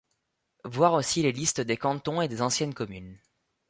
Voir aussi les listes des cantons et des anciennes communes.